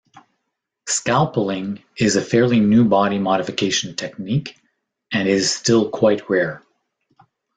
Scalpelling is a fairly new body modification technique, and is still quite rare.